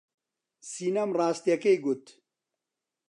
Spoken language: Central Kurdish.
سینەم ڕاستییەکەی گوت.